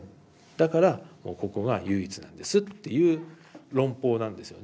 だからここが唯一なんですっていう論法なんですよね。